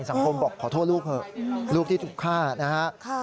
สังคมบอกขอโทษลูกเถอะลูกที่ถูกฆ่านะฮะ